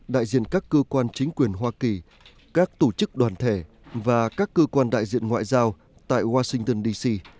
đại diện các cơ quan chính quyền hoa kỳ các tổ chức đoàn thể và các cơ quan đại diện ngoại giao tại washington dc